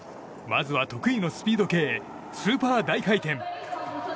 まずは得意のスピード系スーパー大回転。